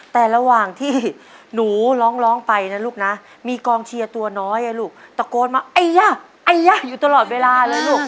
แต่ระหว่างที่หนูร้องไปนะลูกนะมีกองเชียร์ตัวน้อยลูกตะโกนมาไอ้ย่าไอ้ย่าอยู่ตลอดเวลาเลยลูก